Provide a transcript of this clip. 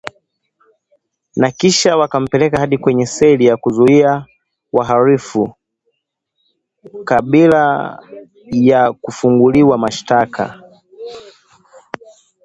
na kisha wakampeleka hadi kwenye seli ya kuzuia wahalifu kabla ya kufunguliwa mashtaka